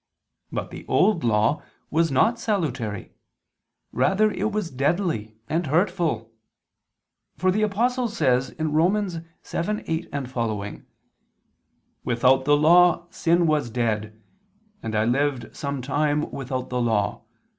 But the Old Law was not salutary; rather was it deadly and hurtful. For the Apostle says (Rom. 7:8, seqq.): "Without the law sin was dead. And I lived some time without the law.